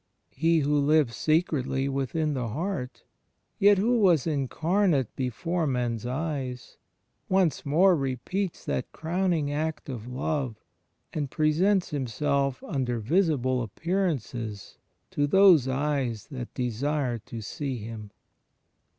He Who lives secretly within the heart, yet Who was Incarnate before men's eyes, once more repeats that crowning act of love and presents Himself under visible appearances to those eyes that desire to see Him.